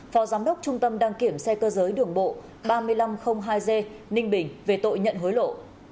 phó giám đốc trung tâm đăng kiểm xe cơ giới đường bộ ba nghìn năm trăm linh hai g ninh bình về tội nhận hối lộ